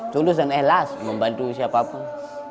tulus dan ikhlas membantu siapapun